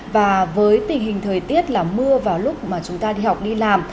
và với tình hình thời tiết là mưa vào lúc mà chúng ta đi học đi làm